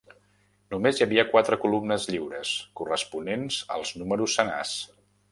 Només hi havia quatre columnes lliures, corresponents als números senars.